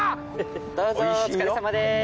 どうぞお疲れさまです。